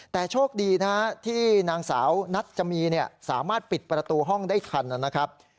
แต่โชคดีนะฮะที่นางสาวนัจจมีสามารถปิดประตูห้องได้ทันนะครับ